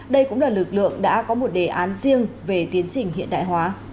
đây cũng là lực lượng đã có một đề án riêng về tiến trình hiện đại hóa